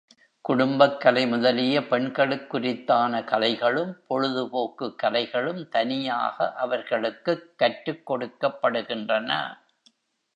குடும்பக்கலை முதலிய பெண்களுக் குரித்தான கலைகளும், பொழுது போக்குக் கலைகளும் தனியாக அவர்களுக்குக் கற்றுக்கொடுக்கப்படுகின்றன.